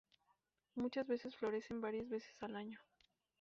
Muchas veces florecen varias veces al año.